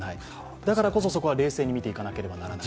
だからこそそこは冷静に見ていかなくてはならない。